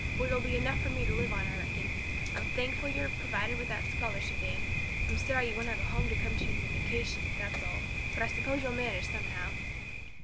But it'll be enough for me to live on I reckon. I'm thankful you're provided for with that scholarship, Anne. I'm sorry you won't have a home to come to in your vacations, that's all, but I suppose you'll manage somehow."